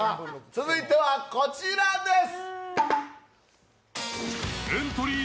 続いてはこちらです。